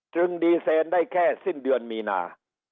ดีเซนได้แค่สิ้นเดือนมีนา